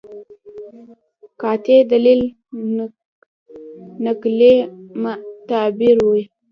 قاطع دلیل نقلي معتبر وي.